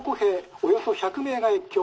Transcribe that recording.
およそ１００名が越境。